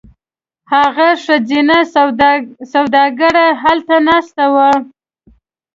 هغه ښځینه سوداګره هلته ناسته وه.